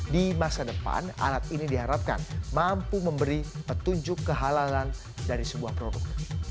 di masa depan alat ini diharapkan mampu memberi petunjuk kehalalan dari sebuah produk